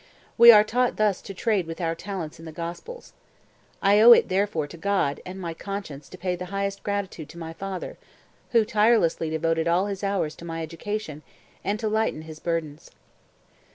We are taught thus to trade with our talents in the Gospels. I owe it, therefore, to God and my conscience to pay the highest gratitude to my father, who tirelessly devoted all his hours to my education, and to lighten his burdens."